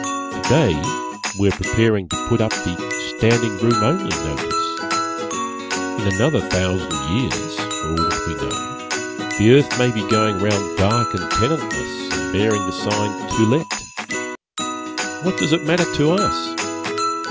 Today we are preparing to put up the "standing room only" notice. In another thousand years, for aught we know, the earth may be going round dark and tenantless and bearing the sign "To Let." What does it matter to us?